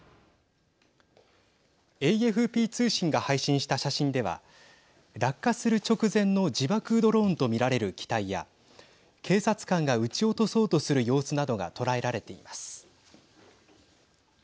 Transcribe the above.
ＡＦＰ通信が配信した写真では落下する直前の自爆ドローンと見られる機体や警察官が撃ち落とそうとする様子などが捉えられています。